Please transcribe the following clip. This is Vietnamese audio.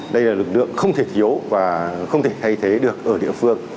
đây là lực lượng không thể thiếu và không thể thay thế được ở địa phương